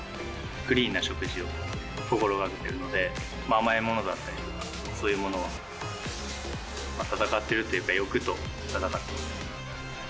クリーンな食事を心がけているので、甘いものだったり、そういうものとは戦っているというか、欲と戦ってますね。